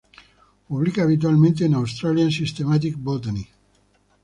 Publica habitualmente en Australian Systematic Botany.